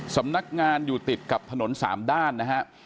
สำนักงานอยู่ติดกับถนน๓ด้านนะฮะ